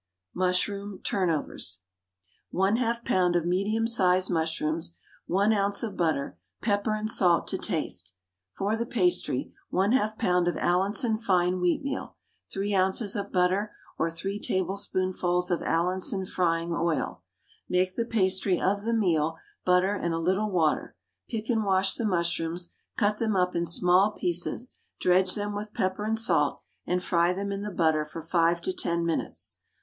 MUSHROOM TURNOVERS. 1/2 lb. of medium sized mushrooms, 1 oz. of butter, pepper and salt to taste. For the pastry, 1/2 lb. of Allinson fine wheatmeal, 3 oz. of butter (or 3 tablespoonfuls of Allinson frying oil). Make the pastry of the meal, butter, and a little water; pick and wash the mushrooms, cut them up in small pieces dredge them with pepper and salt, and fry them in the butter for 5 to 10 minutes.